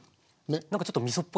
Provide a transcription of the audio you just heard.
何かちょっとみそっぽい。